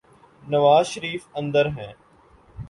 نوازشریف اندر ہیں۔